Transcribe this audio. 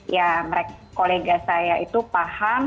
ya kolega saya itu paham